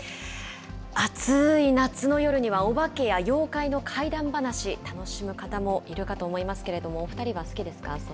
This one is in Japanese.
暑い夏の夜には、お化けや妖怪の怪談話、楽しむ方もいるかと思いますけれども、お２人は好きですか？